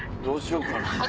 どうしようかな。